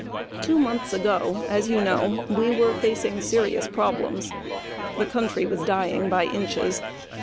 Two months ago we were facing serious problems. The country was dying by inches.